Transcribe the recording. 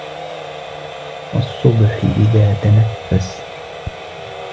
والصبح إذا تنفس